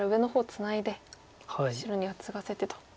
ツナいで白にはツガせてと。